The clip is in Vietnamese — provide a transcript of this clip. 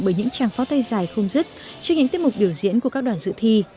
bởi những trang phó tay dài không dứt trước những tiết mục biểu diễn của các đoàn dự thi